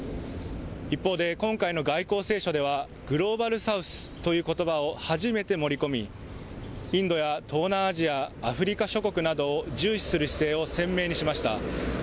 一方で今回の外交青書ではグローバル・サウスということばを初めて盛り込みインドや東南アジア、アフリカ諸国などを重視する姿勢を鮮明にしました。